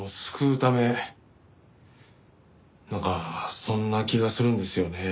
なんかそんな気がするんですよね。